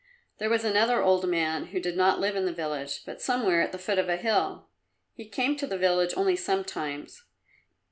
There was another old man, who did not live in the village, but somewhere at the foot of a hill. He came to the village only sometimes.